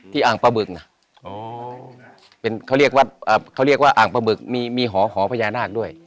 ที่อ่างประบึกนะเขาเรียกว่าอ่างประบึกมีหอพญานาคด้วย